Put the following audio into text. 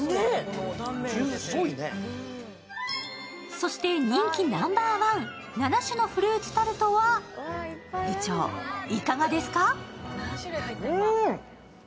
そして人気ナンバーワン、７種のフルーツタルトは部長いかがですか？